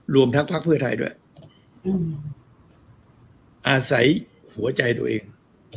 รวมทั้งพักเพื่อไทยด้วยอาศัยหัวใจตัวเอง